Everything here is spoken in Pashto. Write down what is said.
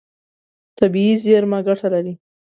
طبیعي زیرمه ګټه لري.